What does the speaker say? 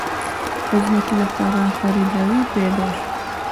د ځمکې لپاره خريدار پېدا شو.